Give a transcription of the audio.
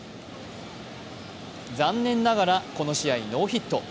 残念ながらこの試合ノーヒット。